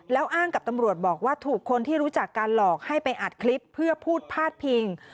แล้วอ้างกับตำรวจบอกว่าถูกคนที่รู้จักการหลอกให้ไปอัดคลิปเพื่อพูดพาดพิง